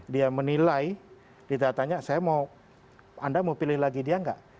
dia menilai ditanya tanya saya mau anda mau pilih lagi dia nggak